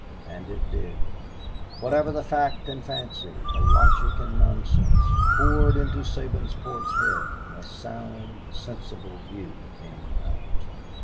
And it did; whatever the fact and fancy, the logic and nonsense, poured into Sabinsport's head, a sound sensible view came out.